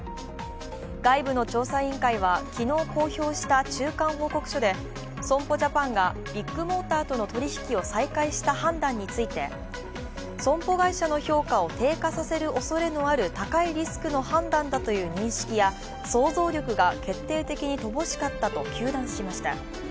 外部の調査委員会は昨日公表した中間報告書で損保ジャパンがビッグモーターとの取り引きを再開した判断について損保会社の評価を低下させるおそれのある高いリスクの判断だという認識や想像力が決定的に乏しかったと糾弾しました。